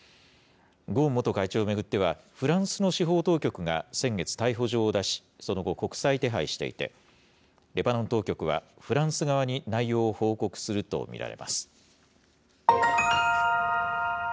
ゴーン元会長を巡っては、フランスの司法当局が先月、逮捕状を出し、その後、国際手配していて、レバノン当局は、フランス側に内容を報告すると見られます。